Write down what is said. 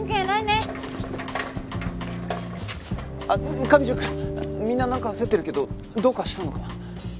上条くんみんななんか焦ってるけどどうかしたのかな？